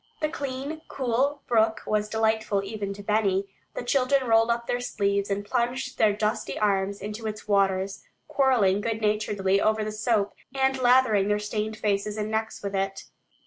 The clean cool brook was delightful even to Benny. The children rolled up their sleeves and plunged their dusty arms into its waters, quarreling good naturedly over the soap, and lathering their stained faces and necks with it.